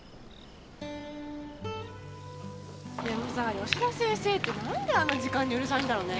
でもさ吉田先生って何であんな時間にうるさいんだろうね。